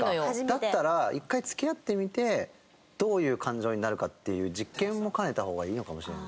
だったら１回付き合ってみてどういう感情になるかっていう実験も兼ねた方がいいのかもしれない。